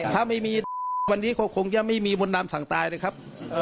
ถ้าไม่มีวันนี้ก็คงจะไม่มีมนต์ดำสั่งตายเลยครับ